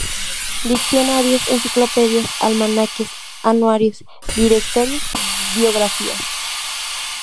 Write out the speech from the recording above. Diccionarios, enciclopedias, almanaques, anuarios, directorios, biografías.